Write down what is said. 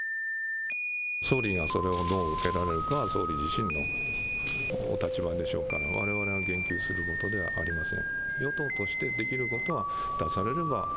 総理がそれをどう受けられるかは総理自身のお立場でしょうからわれわれが言及することではありません。